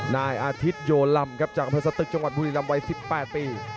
นายอาทิตโยลำครับจากอำเภอสตึกจังหวัดบุรีรำวัย๑๘ปี